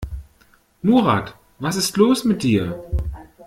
Murat, was ist los mit dir?